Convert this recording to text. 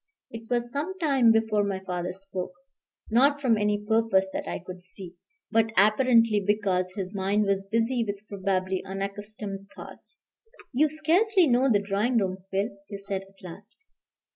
It was some time before my father spoke, not from any purpose that I could see, but apparently because his mind was busy with probably unaccustomed thoughts. "You scarcely know the drawing room, Phil," he said at last.